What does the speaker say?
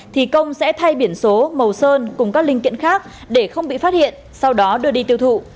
thì công sẽ thay biển số màu sơn cùng các linh kiện khác để không bị phát hiện sau đó đưa đi tiêu thụ